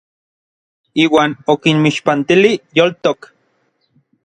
Iuan okinmixpantilij yoltok.